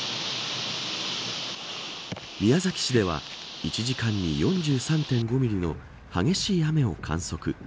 宮崎市では１時間に４３．５ミリの激しい雨を観測。